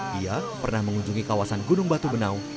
dia pernah mengunjungi kawasan gunung batu benau